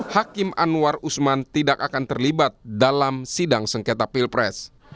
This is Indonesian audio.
hakim anwar usman tidak akan terlibat dalam sidang sengketa pilpres